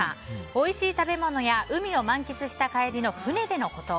おいしい食べ物や海を満喫した帰りの船でのこと。